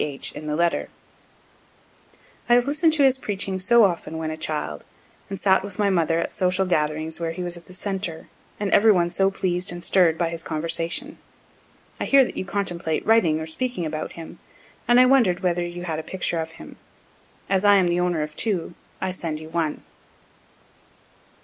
H. in the letter: "I have listen'd to his preaching so often when a child, and sat with my mother at social gatherings where he was the centre, and every one so pleas'd and stirr'd by his conversation. I hear that you contemplate writing or speaking about him, and I wonder'd whether you had a picture of him. As I am the owner of two, I send you one."